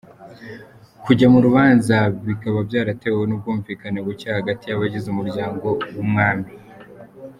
Kujya mu rubanza bikaba byaratewe n’ubwumvikane buke hagati y’abagize umuryango w’Umwami.